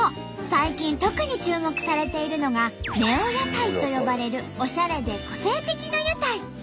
最近特に注目されているのが「ネオ屋台」と呼ばれるおしゃれで個性的な屋台。